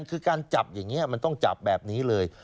การจับอย่างเนี้ยมันถูกจับแบบนี้เลย